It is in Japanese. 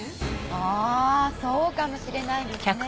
あそうかもしれないですねぇ。